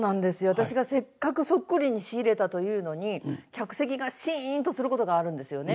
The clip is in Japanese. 私がせっかくそっくりに仕入れたというのに客席がシンとすることがあるんですよね。